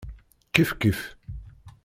Kifkif.